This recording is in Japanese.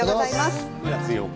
９月８日